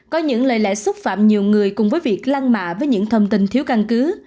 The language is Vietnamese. có những lời lẽ xúc phạm nhiều người cùng với việc lăng mạ với những thông tin thiếu căn cứ